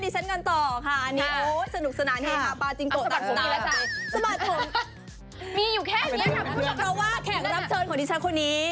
สุขาบสตรีผมยาวมาก